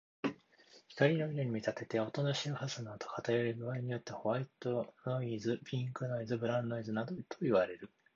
光の色に見立てて、音の周波数の偏り具合によってホワイトノイズ、ピンクノイズ、ブラウンノイズなどといわれる。